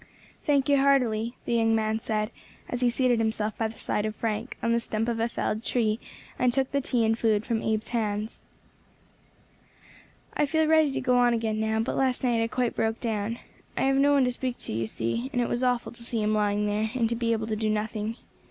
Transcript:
"Thank you, heartily," the young man said, as he seated himself by the side of Frank, on the stump of a felled tree, and took the tea and food from Abe's hands. "I feel ready to go on again now; but last night I quite broke down. I have no one to speak to, you see, and it was awful to see him lying there, and to be able to do nothing.